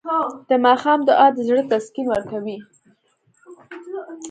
د ماښام دعا د زړه تسکین ورکوي.